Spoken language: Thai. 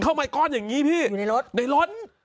เข้ามาก้อนอย่างงี้ที่ระเวนอยู่ในรถ